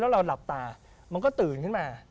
แล้วเราหลับตามันก็ตื่นขึ้นมา